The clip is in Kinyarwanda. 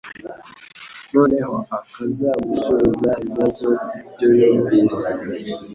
noneho akazagusubiza ibibazo kubyo yumvise.